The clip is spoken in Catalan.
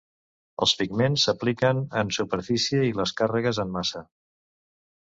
Els pigments s'apliquen en superfície i les càrregues en massa.